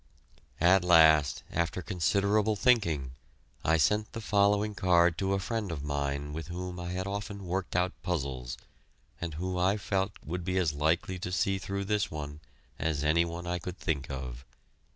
At last, after considerable thinking, I sent the following card to a friend of mine with whom I had often worked out puzzles, and who I felt would be as likely to see through this as any one I could think of.